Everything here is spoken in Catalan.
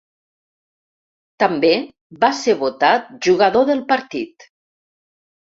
També va ser votat Jugador del Partit.